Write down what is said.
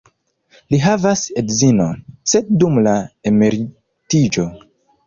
Li havas edzinon, sed dum la emeritiĝo.